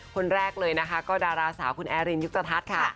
คนแรกเลยก็ดาราสาวคุณแอรินยุกตธัสค่ะ